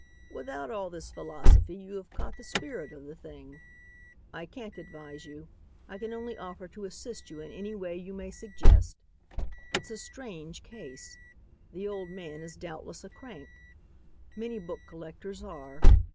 "Without all this philosophy, you have caught the spirit of the thing. I can't advise you. I can only offer to assist you in any way you may suggest. It's a strange case. The old man is doubtless a crank. Many book collectors are.